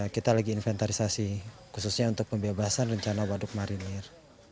kita lagi inventarisasi khususnya untuk pembebasan rencana waduk marinir